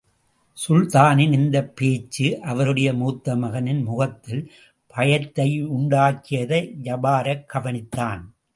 சுல்தானின் இந்தப் பேச்சு அவருடைய முத்தமகனின் முகத்தில் பயத்தையுண்டாக்கியதை ஜபாரக் கவனித்தான்.